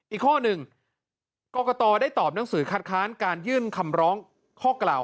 อีกข้อหนึ่งกรกตได้ตอบหนังสือคัดค้านการยื่นคำร้องข้อกล่าว